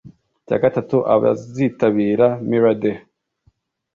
Icya gatatu abazitabira Mirror Day